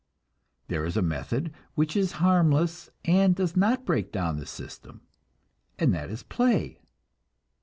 There is a method which is harmless, and does not break down the system, and that is play.